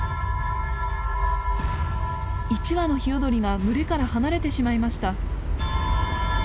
１羽のヒヨドリが群れから離れてしまいました。